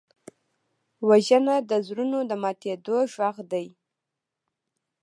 وژنه د زړونو د ماتېدو غږ دی